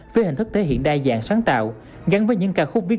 với hình thức thể hiện đa dạng sáng tạo gắn với những ca khúc viết